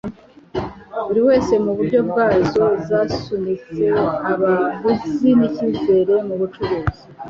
buriwese muburyo bwazo, zasunitse abaguzi nicyizere mubucuruzi